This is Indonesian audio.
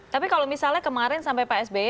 tapi kalau misalnya kemarin sampai pak sby